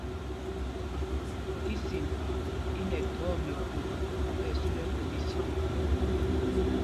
Kisin i nɛ thɔɔ mɛkom tí ɛsu lɛ ɛkwom mɛkhɔk.